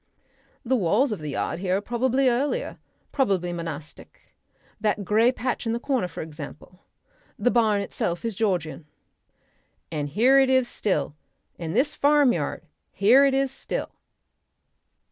"The walls of the yard here are probably earlier: probably monastic. That grey patch in the corner, for example. The barn itself is Georgian." "And here it is still. And this farmyard, here it is still."